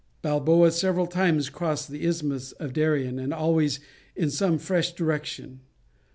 ] Balboa several times crossed the Isthmus of Darien, and always in some fresh direction.